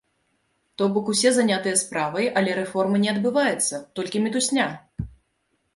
То бок усе занятыя справай, але рэформа не адбываецца, толькі мітусня!